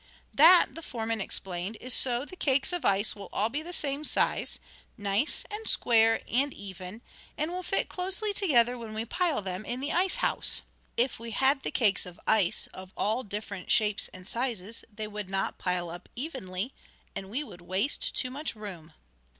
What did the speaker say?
"That," the foreman explained, "is so the cakes of ice will be all the same size, nice and square and even, and will fit closely together when we pile them in the ice house. If we had the cakes of ice of all different shapes and sizes they would not pile up evenly, and we would waste too much room."